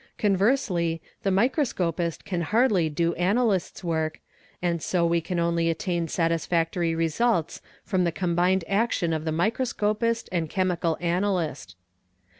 Conversely, the microscopist can hardly do analyst's work, and § THE CHEMICAL ANALYST Q17 we can only attain satisfactory results from the combined action of the _ microscopist and chemical analyst.